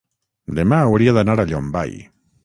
Demà hauria d'anar a Llombai.